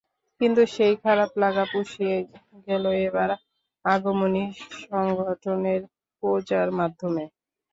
কিন্তু সেই খারাপ লাগা পুষিয়ে গেল এবার আগমনী সংগঠনের পূজার মাধ্যমে।